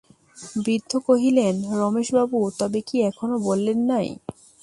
বৃদ্ধ কহিলেন, রমেশবাবু তবে কি এখনো বলেন নাই?